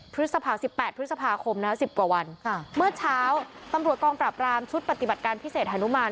๑๘พฤษภาคมนะ๑๐กว่าวันเมื่อเช้าตำรวจกองปราบรามชุดปฏิบัติการพิเศษฮานุมาน